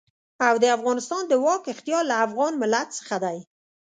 او د افغانستان د واک اختيار له افغان ملت څخه دی.